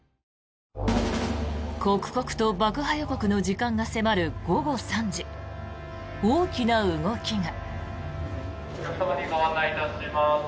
刻々と爆破予告の時間が迫る午後３時大きな動きが。